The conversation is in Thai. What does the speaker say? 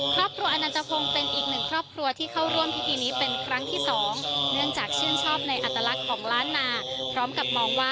ครอบครัวอาณาจภงเป็นอีกหนึ่งครอบครัวที่เข้าร่วมพิธีนี้เป็นครั้งที่สอง